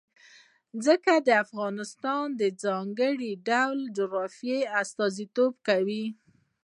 ځمکه د افغانستان د ځانګړي ډول جغرافیه استازیتوب کوي.